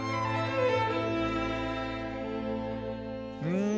うん。